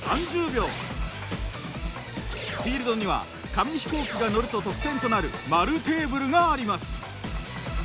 フィールドには紙飛行機が乗ると得点となる円テーブルがあります。